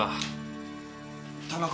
田中。